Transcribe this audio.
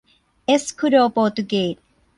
เอสคูโดโปรตุเกส